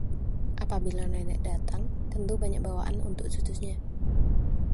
apabila nenek datang, tentu banyak bawaan untuk cucunya